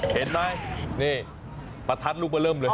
เห็นไหมนี่ประทัดลูกเบอร์เริ่มเลย